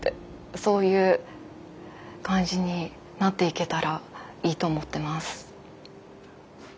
そういう感じになっていけたらいいと思ってます。